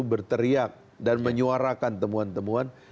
berteriak dan menyuarakan temuan temuan